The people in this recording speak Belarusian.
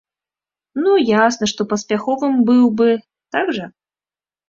Ну ясна, што паспяховым быў бы, так жа?